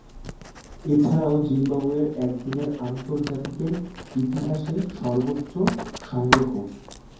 এছাড়াও, জিম্বাবুয়ের একদিনের আন্তর্জাতিকের ইতিহাসে সর্বোচ্চ সংগ্রহ।